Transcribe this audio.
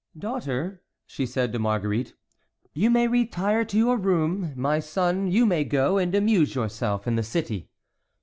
"Daughter," she said to Marguerite, "you may retire to your room. My son, you may go and amuse yourself in the city."